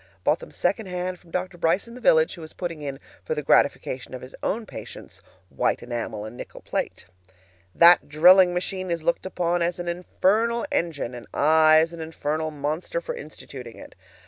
(Bought them second hand from Doctor Brice in the village, who is putting in, for the gratification of his own patients, white enamel and nickel plate.) That drilling machine is looked upon as an infernal engine, and I as an infernal monster for instituting it.